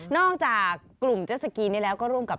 จากกลุ่มเจ็ดสกีนี้แล้วก็ร่วมกับ